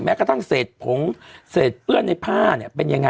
แม้กระทั่งเศษผง